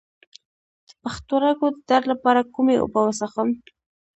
د پښتورګو د درد لپاره کومې اوبه وڅښم؟